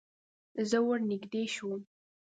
زه ور نږدې شوم.